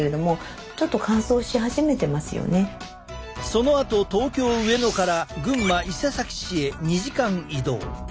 そのあと東京・上野から群馬・伊勢崎市へ２時間移動。